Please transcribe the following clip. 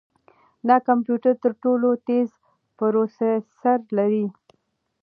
دا کمپیوټر تر ټولو تېز پروسیسر لري.